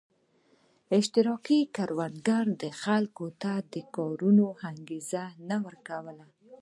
اشتراکي کروندو خلکو ته د کار هېڅ انګېزه نه ورکوله.